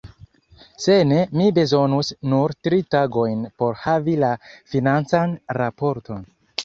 Se ne, mi bezonus nur tri tagojn por havi la financan raporton.